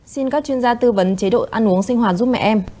xin các chuyên gia tư vấn chế độ ăn uống sinh hoạt giúp mẹ em